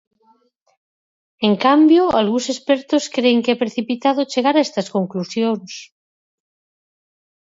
En cambio, algúns expertos cren que é precipitado chegar a estas conclusións.